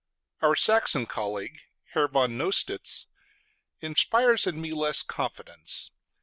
Our Saxon colleague, Herr von Nostitz, inspires in me less confidence.